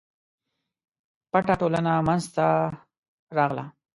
پټه ټولنه منځته راغله.